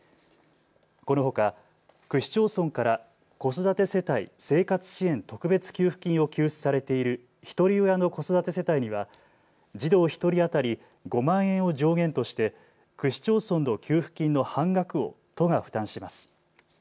このほか区市町村から子育て世帯生活支援特別給付金を給付されているひとり親の子育て世帯には児童１人当たり５万円を上限として区市町村の給付金の半額を都が負担します。